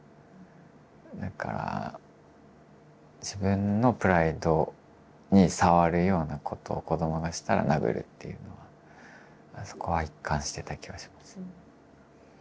だから自分のプライドにさわるようなことを子どもがしたら殴るっていうのはそこは一貫してた気はしますね。